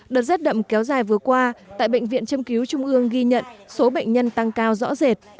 đợt rét đậm kéo dài vừa qua tại bệnh viện châm cứu trung ương ghi nhận số bệnh nhân tăng cao rõ rệt